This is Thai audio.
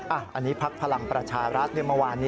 อันนี้พักพลังประชารัฐเมื่อวานนี้